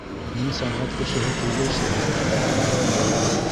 Мин сәнғәт кешеһе түгел шул, ябай маляр.